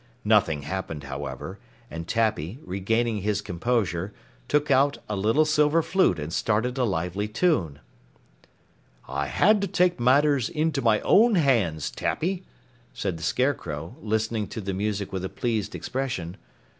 Nothing happened, however, and Tappy, regaining his composure, took out a little silver flute and started a lively tune. "I had to take matters into my own hands, Tappy," said the Scarecrow, listening to the music with a pleased expression.